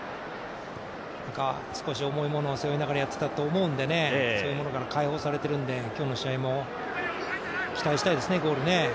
少し重いものを背負いながらやっていたと思うんでそういうものから解放されているので今日の試合もゴールを期待したいですね。